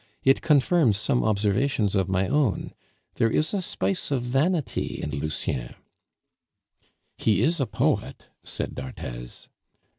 "It confirms some observations of my own. There is a spice of vanity in Lucien." "He is a poet," said d'Arthez.